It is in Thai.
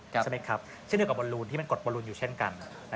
เช่นเดียวกับบรูลลูกที่มันกดบรูลลูกอยู่เช่นกัน